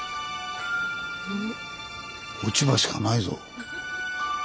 落ち葉しかないぞ。